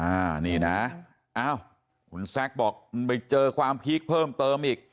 อ่านี่นะอ้าวคุณแซคบอกมันไปเจอความพีคเพิ่มเติมอีก